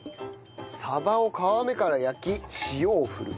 鯖を皮目から焼き塩をふる。